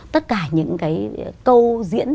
tất cả những cái câu diễn